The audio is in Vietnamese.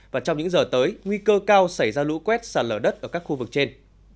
và trong những giờ tới nguy cơ cao xảy ra lũ quét xả lở đất ở các khu vực trên